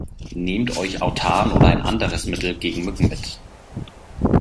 Nehmt euch Autan oder ein anderes Mittel gegen Mücken mit.